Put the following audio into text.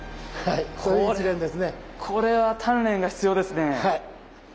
これは鍛錬が必要ですね。